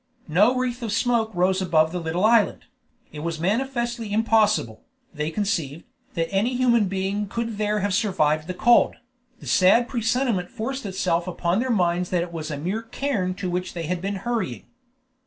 No wreath of smoke rose above the little island; it was manifestly impossible, they conceived, that any human being could there have survived the cold; the sad presentiment forced itself upon their minds that it was a mere cairn to which they had been hurrying.